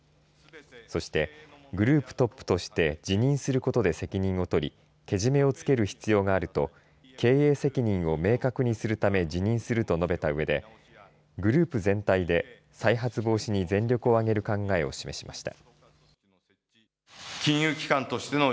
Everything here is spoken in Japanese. そしてグループトップとして辞任することで責任を取りけじめをつける必要があると経営責任を明確にするため辞任すると述べたうえでグループ全体で再発防止に全力を挙げる考えを示しました。